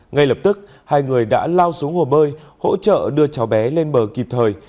ngay lập tức hai người đã lao xuống hồ bơi hỗ trợ đưa cháu bé lên bờ kịp thời